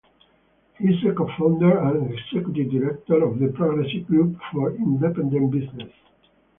He is a co-founder and executive director of the Progressive Group for Independent Business.